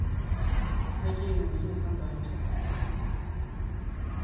最近娘さんと会いましたか？